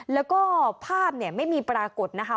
แล้วก็ภาพเนี่ยไม่มีปรากฏนะคะ